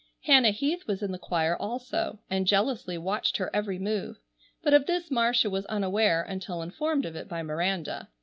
Hannah Heath was in the choir also, and jealously watched her every move, but of this Marcia was unaware until informed of it by Miranda.